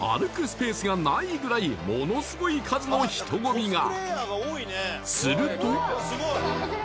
スペースがないぐらいものすごい数の人混みが！